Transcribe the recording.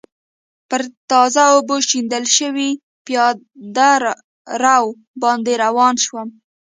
پر تازه اوبو شیندل شوي پېاده رو باندې روان شوم.